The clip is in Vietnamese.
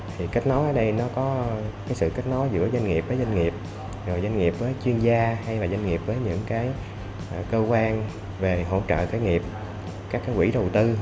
thì kết nối ở đây nó có sự kết nối giữa doanh nghiệp với doanh nghiệp doanh nghiệp với chuyên gia hay là doanh nghiệp với những cơ quan về hỗ trợ doanh nghiệp các quỹ đầu tư